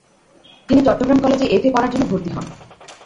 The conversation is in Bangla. তিনি চট্টগ্রাম কলেজে এফ. এ. পড়ার জন্য ভর্তি হন।